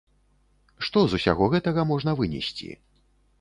Што з усяго гэтага можна вынесці?